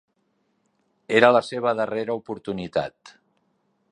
Era la seva darrera oportunitat.